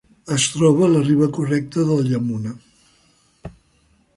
Es troba a la riba correcta del Yamuna.